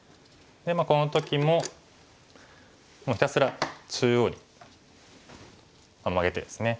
この時ももうひたすら中央にマゲてですね